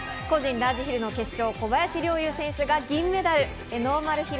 個人ラージヒルの決勝、小林陵侑選手が銀メダル。